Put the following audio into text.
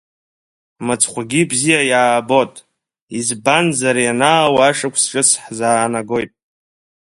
Мыцхәгьы бзиа иаабот, избанзар ианаауа Ашықәс ҿыц ҳзаанагоит.